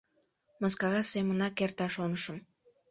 Мыскара семынак эрта, шонышым.